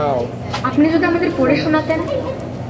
আপনি যদি আমাদের পড়ে শোনাতেন।